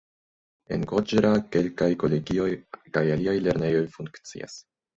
En Goĝra kelkaj kolegioj kaj aliaj lernejoj funkcias.